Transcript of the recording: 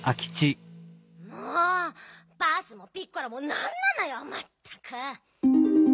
もうバースもピッコラもなんなのよまったく！